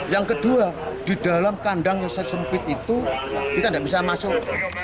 yang kedua di dalam kandang yang sesempit itu kita tidak bisa masuk